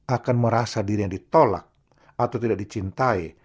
akan merasa dirinya ditolak atau tidak dicintai